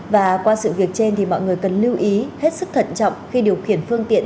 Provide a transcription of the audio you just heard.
và qua sự việc trên thì mọi người cần lưu ý hết sức thận trọng khi điều khiển phương tiện